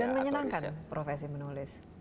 dan menyenangkan profesi menulis